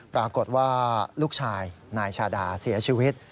ปรากฏว่าลูกชายนายชาดาเสียชีวิต